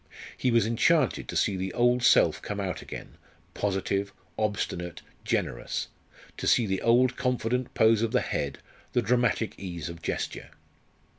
He was enchanted to see the old self come out again positive, obstinate, generous; to see the old confident pose of the head, the dramatic ease of gesture.